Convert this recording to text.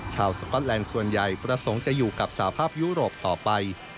สก๊อตแลนด์ส่วนใหญ่ประสงค์จะอยู่กับสภาพยุโรปต่อไป